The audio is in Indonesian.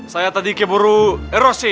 saya tadi keburu erosi